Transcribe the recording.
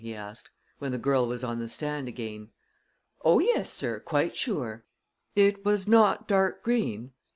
he asked, when the girl was on the stand again. "Oh, yes, sir; quite sure." "It was not dark green?